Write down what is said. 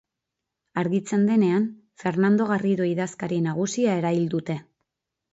Argitzen denean, Fernando Garrido idazkari nagusia erail dute.